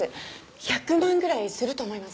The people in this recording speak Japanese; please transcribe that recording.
１００万ぐらいすると思います。